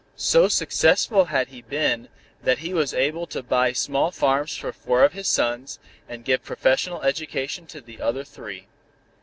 So successful had he been that he was able to buy small farms for four of his sons, and give professional education to the other three.